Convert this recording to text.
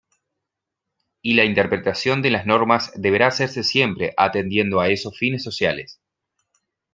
Y la interpretación de las normas deberá hacerse siempre atendiendo a esos fines sociales.